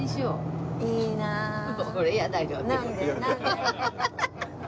アハハハハ！